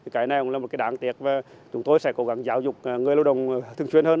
cái này cũng là một cái đáng tiếc và chúng tôi sẽ cố gắng giáo dục người lưu đồng thường truyền hơn